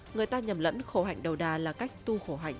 người ta nhầm lẫn khổ hạnh đầu đà là cách tu khổ hạnh